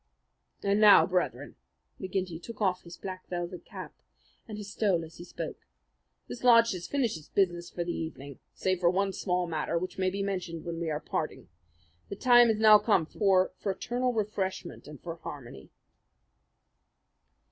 And now, Brethren," McGinty took off his black velvet cap and his stole as he spoke, "this lodge has finished its business for the evening, save for one small matter which may be mentioned when we are parting. The time has now come for fraternal refreshment and for harmony."